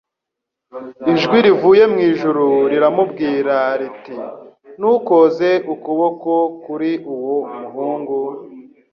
ijwi rivuye mu ijuru riramubwira riti: «Ntukoze ukuboko kuri uwo muhungu,